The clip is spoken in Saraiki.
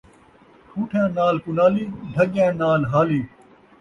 ٹھوٹھیاں نال کُنالی، ڈھڳیاں نال ہالی